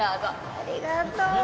ありがとう